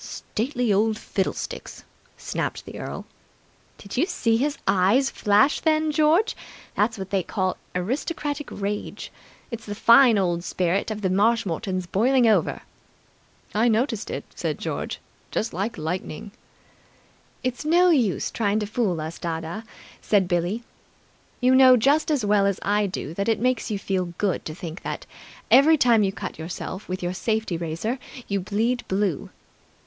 "Stately old fiddlesticks!" snapped the earl. "Did you see his eyes flash then, George? That's what they call aristocratic rage. It's the fine old spirit of the Marshmoretons boiling over." "I noticed it," said George. "Just like lightning." "It's no use trying to fool us, dadda," said Billie. "You know just as well as I do that it makes you feel good to think that, every time you cut yourself with your safety razor, you bleed blue!"